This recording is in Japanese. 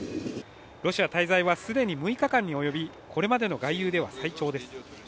ロシア滞在は既に６日間に上り、これまでの外遊では最長です。